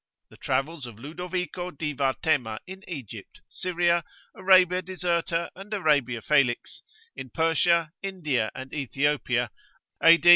(The Travels of Ludovico di Varthema in Egypt, Syria, Arabia Deserta and Arabia Felix, in Persia, India, and Ethiopia, A.